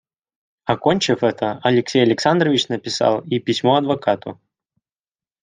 Окончив это, Алексей Александрович написал и письмо адвокату.